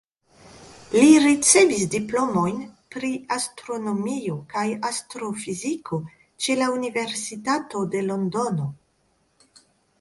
Li ricevis diplomojn pri astronomio kaj astrofiziko ĉe la Universitato de Londono.